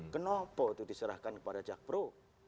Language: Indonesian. kenapa itu diserahkan kepada jakpro